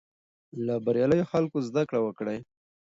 له بریالیو خلکو زده کړه وکړئ.